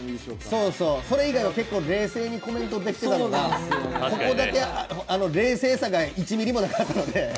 それ意外は結構冷静にコメントしてたのがここだけ冷静さが１ｍｍもなかったので。